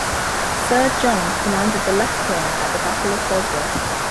Sir John commanded the left wing at the Battle of Bosworth.